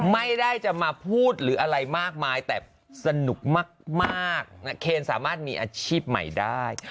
ไม่ได้จะมาพูดหรืออะไรมากมายแต่สนุกมากเคนสามารถมีอาชีพใหม่ได้